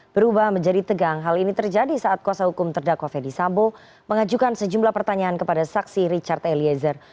berubah menjadi tegang hal ini terjadi saat kuasa hukum terdakwa ferdisambo mengajukan sejumlah pertanyaan kepada saksi richard eliezer